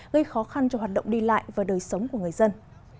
gây khó khăn cho hoạt động đi lại và đời sống của người dân